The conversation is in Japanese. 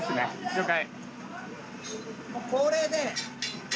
了解。